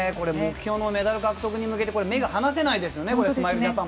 目標のメダル獲得に向けて目が離せないですよね。